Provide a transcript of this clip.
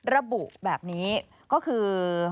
ระบุแบบนี้ก็คือ